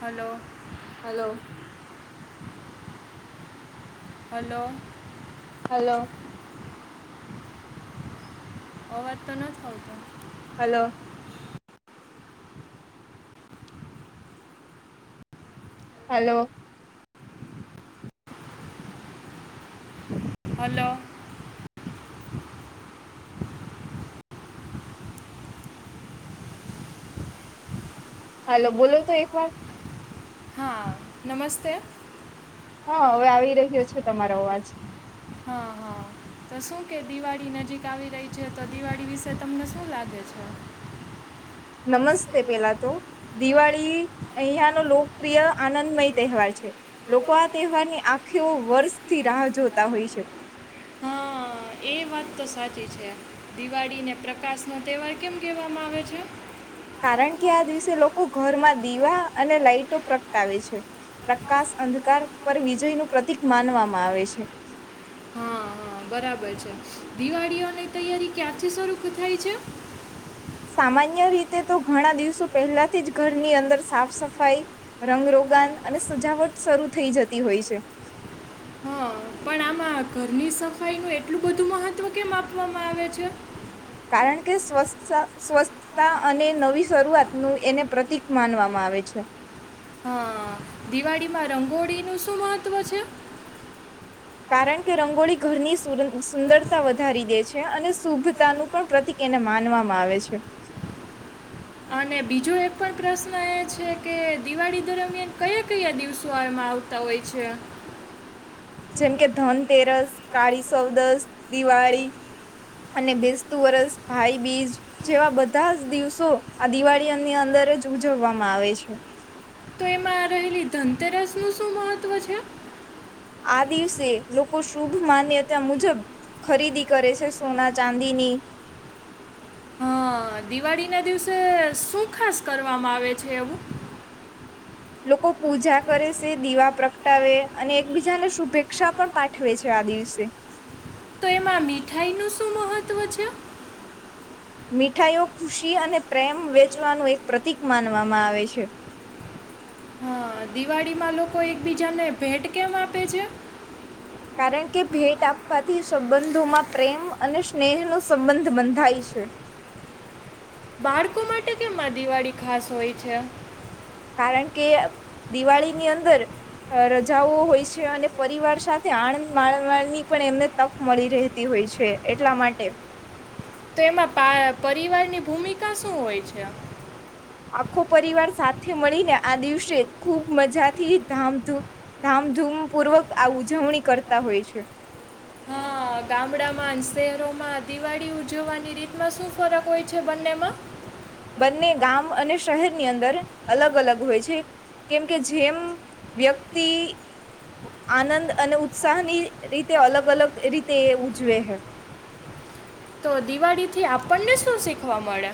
Hello. Hello. Hello. Hello અવાર તો નથ આવતો હલો. હલો. હલો હલો બોલો તો એક વાર. હા નમસ્તે. હા હવે આવી રહ્યો છે તમારો અવાજ. હા હા તો શું કે દિવાળી નજીક આવી રહી છે તો દિવાળી વિશે તમને શું લાગે છે. નમસ્તે પેલા તો દિવાળી અહયાનો લોકપ્રિય આનંદમય તહેવાર છે લોકો આ તહેવારની આખી વર્ષથી રાહ જોતા હોય છે. હા એ વાત તો સાચી છે દિવાળીને પ્રકાશનો તહેવાર કેમ કહેવામાં આવે છે. કારણ કે આ દિવસે લોકો ઘરમાં દીવા અને લાાઈટો પ્રગટાવે છે પ્રકાશ અંધકાર પર વિજયનું પ્રતિક માનવામાં આવે છે. હ બરાબર છે દિવાળીઓની તૈયારી ક્યાંથી સ્વરૂપ થાય છે. સામાન્ય રીતે તો ઘણા દિવસો પહેલાથી જ ઘરની અંદર સાફ સફાઈ રંગરોગાન અને સજાવટ શરૂ થઈ જતી હોય છે. મા ઘરની સફાઈનું એટલું બધું મહત્વ કેમ આપવામાં આવે છે? કારણ કે સ્વસ્થા સ્વસ્થતા અને નવી શરૂઆતનું એને પ્રતિક માનવામાં આવે છે. હા દિવાળીમાં રંગોળીનું શું મહત્વ છે? કારણ કે રંગોળી ઘરની સુંર સુંદરતા વધારી દે છે અને શુભતાનું પણ પ્રતિક એને માનવામાં આવે છે. અને બીજો એક પણ પ્રશ્ન એ છે કે દિવાળી દરમિયાન કયા કયા દિવસો એમાં આવતા હોય છે? જેમ કે ધનતેરસ, કાળી સૌદસ, દિવાળી અને બેસતુ વરસ ભાઈબીજ જેવા બધા જ દિવસો આ દિવાળીની અંદર જ ઉજવવામાં આવે છે. મા રહેલી ધનતેરસનું શું મહત્વ છે? આ દિવસે લોકો શુભ માન્યતા મુજબ ખરીદી કરે છે સોના ચાંદીની અ દિવાળીના દિવસે શું ખાસ કરવામાં આવે છે એવું? લોકો પૂજા કરે શે દીવા પ્રગટાવે અને એકબીજાને શુભેચ્ક્ષા પણ પાઠવે છે આ દિવસે. તો એમાં મીઠાઈનું શું મહત્ત્વ છે? મીઠાઈઓ ખુશી અને પ્રેમ વેચવાનું એક પ્રતિક માનવામાં આવે શે. અ દિવાળીમાં લોકો એકબીજાને ભેટ કેમ આપે છે? કારણ કે ભેટ આપવાથી સંબંધોમાં પ્રેમ અને સ્નેહનો સંબંધ બંધાય છે. બાળકો માટે કેમ આ દિવાળી ખાસ હોય છે? કારણ કે દિવાળીની અંદર અ રજાઓ હોય છે અને પરિવાર સાથે આણંદ માણવાની પણ એમને તક મળી રહેતી હોય છે એટલા માટે. તો એમાં પા પરિવાર ની ભૂમિકા શું હોય છે? આખો પરિવાર સાથે મળીને આ દિવસે ખૂબ મજાથી ધામ ધામધૂમપૂર્વક આ ઉજવણી કરતા હોય છે. અ ગામડામાં અન શહેરોમાં દિવાળી ઉજવવાની રીતમાં શું ફરક હોય છે બંનેમાં? બંને ગામ અને શહેરની અંદર અલગ અલગ હોય છે કેમ કે જેમ વ્યક્તિ આનંદ અને ઉત્સાહની રીતે અલગ અલગ રીતે એ ઉજવે હે. તો દિવાળીથી આપણને શું શીખવા મળે?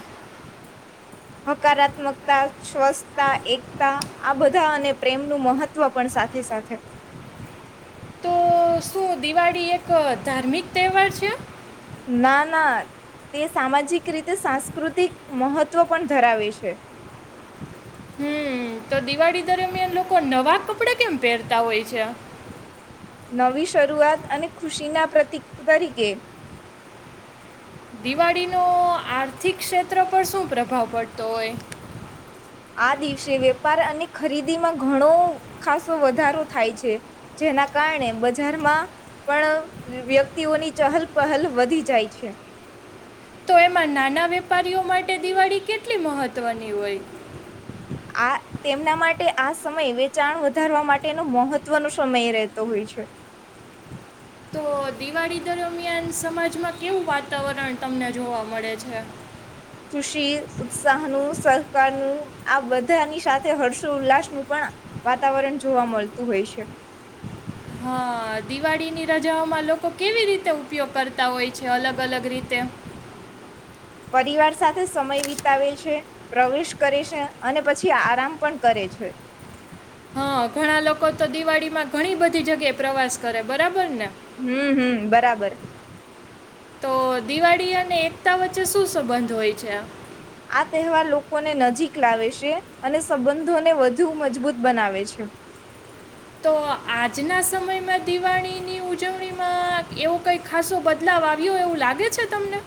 હકારાત્મકતા, સ્વસ્તા, એકતા આ બધા અને પ્રેમનું મહત્વ પણ સાથે સાથે. તો શું દિવાળી એક ધાર્મિક તહેવાર છે? ના ના તે સામાજિક રીતે સાંસ્કૃતિક મહત્વ પણ ધરાવે છે. હમ તો દિવાળી દરમિયાન લોકો નવા કપડાં કેમ પહેરતા હોય છે? નવી શરૂઆત અને ખુશીના પ્રતિક તરીકે. દિવાળીનો આર્થિક ક્ષેત્ર પર શું પ્રભાવ પડતો હોય? આ દિવસે વેપાર અને ખરીદીમાં ઘણો ખાસો વધારો થાય છે જેના કારણે બજારમાં પણ વ્યક્તિઓની ચહલ પહલ વધી જાય છે. તો એમાં નાના વેપારીઓ માટે દિવાળી કેટલી મહત્વની હોય? આ તેમના માટે આ સમય વેચાણ વધારવા માટેનો મહત્વનો સમય રહેતો હોય છે. તો દિવાળી દરમિયાન સમાજમાં કેવું વાતાવરણ તમને જોવા મળે છે? ખુશી, ઉત્સાહનું, સહકારનું આ બધાની સાથે હર્ષો ઉલ્લાસનું પણ વાતાવરણ જોવા મળતું હોય છે. અ દિવાળીની રજાઓમાં લોકો કેવી રીતે ઉપયોગ કરતા હોય છે અલગ અલગ રીતે? પરિવાર સાથે સમય વિતાવે છે પ્રવેશ કરે છે અને પછી આરામ પણ કરે છે. હા, ઘણા લોકો તો દિવાળીમાં ઘણી બધી જગ્યાએ પ્રવાસ કરે બરાબર ને? હમ્મ હમ્મ બરાબર. તો દિવાળી અને એકતા વચ્ચે શું સંબંધ હોય છે આ? આ તહેવાર લોકોને નજીક લાવે શે અને સંબંધોને વધુ મજબૂત બનાવે છે. તો આજના સમયમાં દિવાળીની ઉજવણીમાં એવો કઈ ખાસો બદલાવ આવ્યો એવું લાગે છે તમને?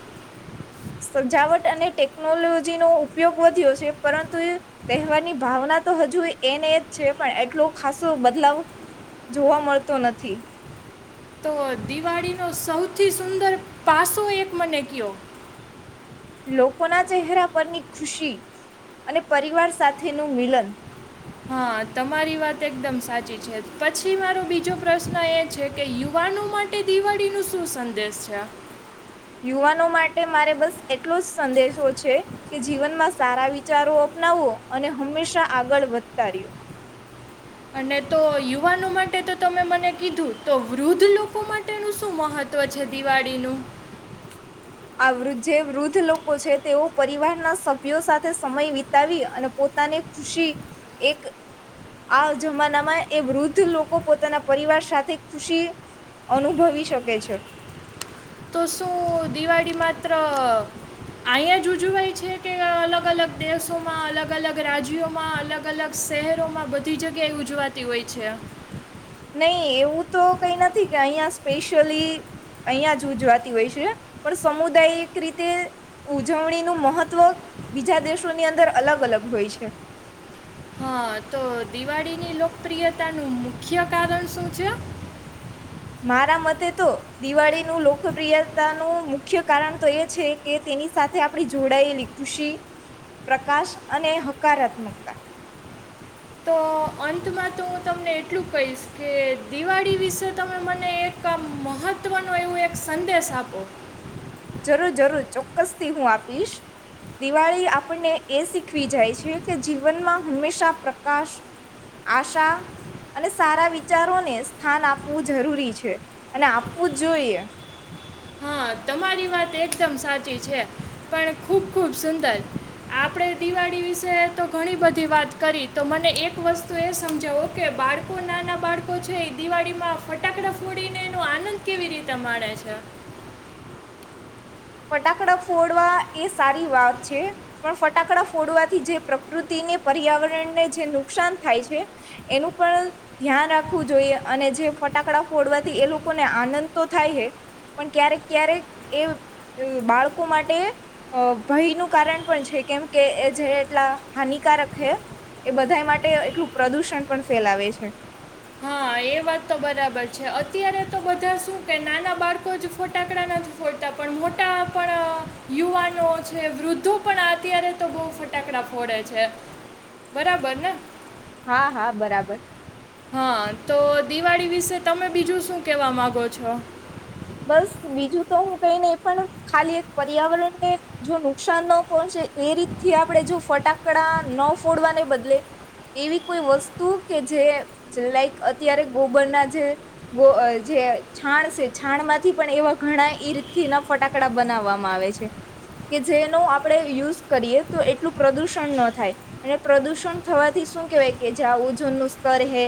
સજાવટ અને ટેકનોલોજીનો ઉપયોગ વધ્યો છે પરંતુ એ તહેવારની ભાવના તો હજુ એને એ જ છે પણ એટલો ખાસો બદલાવ જોવા મળતો નથી. તો દિવાળીનો સૌથી સુંદર પાસો એક મને કયો. લોકોના ચહેરા પરની ખુશી અને પરિવાર સાથેનું મિલન. હા, મારી વાત એકદમ સાચી છે પછી મારો બીજો પ્રશ્ન એ છે કે યુવાનો માટે દિવાળીનું શું સંદેશ છે? યુવાનો માટે મારે બસ એટલો જ સંદેશો છે કે જીવનમાં સારા વિચારો અપનાવવો અને હંમેશા આગળ વધતા રહ્યો. અને તો યુવાનો માટે તો તમે મને કીધું તો વૃદ્ધ લોકો માટેનું શું મહત્વ છે દિવાળીનું? આ વૃદ્ધ જે વૃદ્ધ લોકો છે તેઓ પરિવારના સભ્યો સાથે સમય વિતાવી અને પોતાની ખુશી એક આ જમાનામાં એ વૃદ્ધ લોકો પોતાના પરિવાર સાથે ખુશી અનુભવી શકે છે. તો શું દિવાળી માત્ર અહીં જ ઉજવાય છે કે અલગ અલગ દેશોમાં, અલગ અલગ રાજ્યોમાં, અલગ અલગ શહેરોમાં, બધી જગ્યાએ ઉજવાતી હોય છે. નહી એવું તો કઈ નથી કે અહિયાં સ્પેશિયલી અહીયાં જ ઉજવાતી હોય છે પણ સમુદાયિક એક રીતે ઉજવણીનું મહત્વ બીજા દેશોની અંદર અલગ અલગ હોય છે. હા, તો દિવાળીની લોકપ્રિયતા નું મુખ્ય કારણ શું છે? મારા મતે તો દિવાળીનું લોકપ્રિયતાનું મુખ્ય કારણ તો એ છે કે તેની સાથે આપણી જોડાયેલી ખુશી, પ્રકાશ અને હકારાત્મકતા. તો અંતમાં તો હું તમને એટલું કહીશ કે દિવાળી વિશે તમે મને એક આ મહત્ત્વનું એવો એક સંદેશ આપો. જરૂર જરૂર ચોક્કસ થી હું આપીશ. દિવાળી આપણને એ શીખવી જાય છે કે જીવનમાં હંમેશા પ્રકાશ, આશા અને સારા વિચારોને સ્થાન આપવું જરૂરી છે અને આપવું જ જોઈએ. હા તમારી વાત એકદમ સાચી છે પણ ખુબ ખુબ સુંદર. આપડે દિવાળી વિશે તો ઘણી બધી વાત કરી તો મને એક વસ્તુ એ સમજાવો કે બાળકો નાના બાળકો છે એ દિવાળીમાં ફટાકડા ફોડીને એનો આનંદ કેવી રીતે માણે છે. ફટાકડા ફોડવા એ સારી વાત છે પણ ફટાકડા ફોડવાથી જે પ્રકૃતિને પર્યાવરણને જે નુકસાન થાય છે એનું પણ ધ્યાન રાખવું જોઈએ અને જે ફટાકડા ફોડવાથી એ લોકોને આનંદ તો થાય છે પણ ક્યારેક ક્યારેક એ બાળકો માટે ભયનું કારણ પણ છે કેમ કે એ જે એટલા હાનિકારક હે એ બધા માટે એટલું પ્રદૂષણ પણ ફેલાવે છે હા એ વાત તો બરાબર છે અત્યારે તો બધા શું કે નાના બાળકો જ ફટાકડા નથી ફોડતા પણ મોટા પણ યુવાનો છે. વૃદ્ધો પણ અત્યારે તો બહુ ફટાકડા ફોડે છે બરાબર ને. હા, હા, બરાબર. હા, તો દિવાળી વિશે તમે બીજું શું કેવા માંગો છો? બસ બીજું તો હું કઈને એ પણ ખાલી એક પર્યાવરણને જો નુકસાન ન પહોંચે એ રીતથી આપણે જો ફટાકડા ન ફોડવાને બદલે એવી કોઈ વસ્તુ કે જે લાઈક અત્યારે ગોબરના જે જે છાણશે છાણ માંથી પણ એવા ઘણા ઈર્થી ના ફટાકડા બનાવવામાં આવે છે કે જેનો આપડણે યુઝ કરીએ તો એટલું પ્રદુષણ ન થાય અને પ્રદુષણ થવાથી શું કેહેવાય કે જ્યાં ઓજનનું સ્તર હે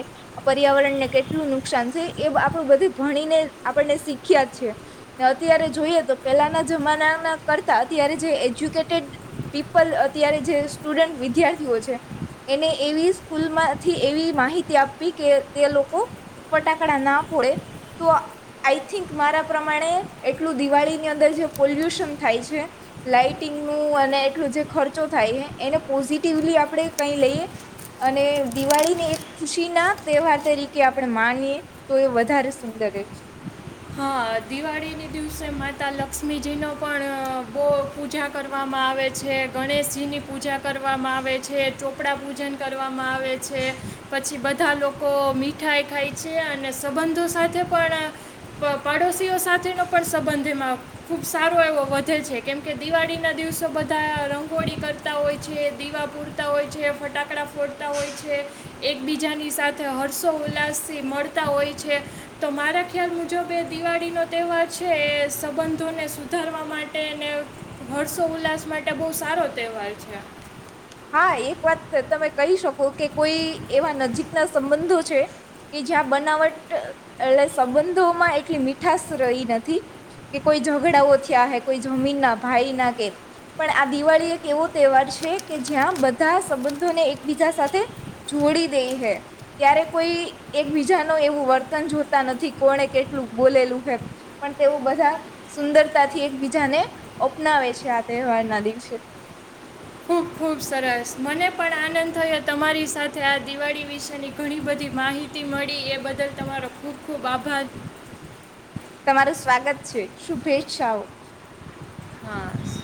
પર્યાવરણને કેટલું નુકસાન છે એ આપણું બધું ભણીને આપને શીખ્યા જ છે અત્યારે જોઈએ તો પહેલાના જમાનાના કરતા અત્યારે જે એજ્યુકેટેડ પીપલ અત્યારે જે સ્ટુડન્ટ વિદ્યાર્થીઓ છે એને એવી સ્કૂલમાંથી એવી માહિતી આપવી કે તે લોકો ફટાકડા ના ફડે તો આઈ થિંક મારા પ્રમાણે એટલું દિવાળીની અંદર જે પોલ્યુશન થાય છે લાઇટિંગનું અને એટલું જે ખર્ચો થાય છે એને પોઝિટિવલી આપણે કઈ લઈએ અને દિવાળી ને એક ખુશી ના તહેવાર તરીકે આપણે માનીએ તો એ વધારે સુંદર રહે. [inaudible] અ દિવાળીને દિવસે માતા લક્ષ્મીજીનો પણ બહુ પૂજા કરવામાં આવે છે. ગણેશજીની પૂજા કરવામાં આવે છે. ચોપડા પૂજન કરવામાં આવે છે. પછી બધા લોકો મીઠાઈ ખાય છે અને સંબંધો સાથે પણ પ પાડોશીઓ સાથેનો પણ સંબંધ એમાં ખૂબ સારો એવો વધે છે કેમકે દિવાળીના દિવસો બધા રંગોળી કરતા હોય છે. દીવા પૂરતા હોય છે. ફટાકડા ફોડતા હોય છે. એકબીજાની સાથે હર્ષો ઉલ્લાસથી મળતા હોય છે. તો મારા ખ્યાલ મુજબ એ દિવાળીનો તહેવાર છે એ સંબંધોને સુધારવા માટે અને હર્ષો ઉલ્લાસ માટે બહુ સારો તહેવાર છે. હા એક વાત તમે કહી શકો કે કોઈ એવા નજીકના સંબંધો છે કે જ્યાં બનાવટ એટલે સંબંધોમાં એટલી મીઠશ રઈ નથી કે કોઈ ઝઘડાઓ થયા હે કોઈ જમીનના ભાઈના કે પણ આ દિવાળી એક એવો તેવાર છે કે જ્યાં બધા સંબંધોને એકબીજા સાથે જોડી દેય હે, ત્યારે કોઈ એકબીજાનો એવું વર્તન જોતા નથી, કોણે કેટલું બોલેલું હે, પણ તેઓ બધા સુંદરતાથી એકબીજાને અપનાવે છે આ તેહવારના દિવસે ખૂબ ખૂબ સરસ મને પણ આનંદ થયો તમારી સાથે આ દિવાળી વિશેની ઘણી બધી માહિતી મળી એ બદલ તમારો ખૂબ ખૂબ આભાર. તમારું સ્વાગત છે, શુભેચ્છાઓ. હા